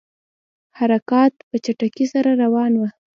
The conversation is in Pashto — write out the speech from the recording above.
حرکات په چټکۍ سره روان وه.